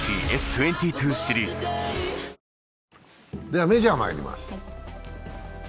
ではメジャーにまいります。